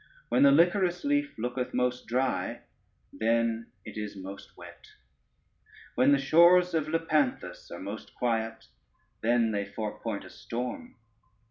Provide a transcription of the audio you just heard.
When the liquorice leaf looketh most dry, then it is most wet: when the shores of Lepanthus are most quiet, then they forepoint a storm.